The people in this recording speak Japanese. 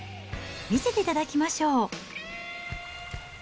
見せていただきましょう。